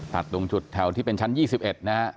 ตัดตรงจุดแถวที่เป็นชั้น๒๑นะครับ